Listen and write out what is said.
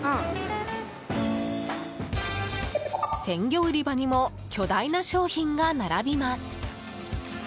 鮮魚売り場にも巨大な商品が並びます。